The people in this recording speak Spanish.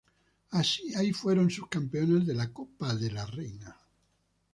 Ahí fueron subcampeonas de la Copa de la Reina.